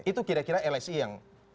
itu kira kira lsi yang